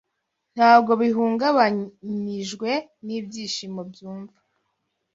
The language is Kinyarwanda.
Ntabwo bihungabanijwe n'ibyishimo byumva